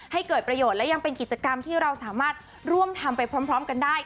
ให้เกิดประโยชน์และยังเป็นกิจกรรมที่เราสามารถร่วมทำไปพร้อมกันได้